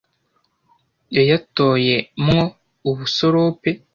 Yayatoye mwo ubusorope